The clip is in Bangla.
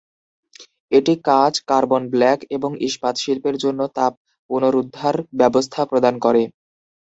এটি কাঁচ, কার্বন ব্ল্যাক এবং ইস্পাত শিল্পের জন্য তাপ পুনরুদ্ধার ব্যবস্থা প্রদান করে।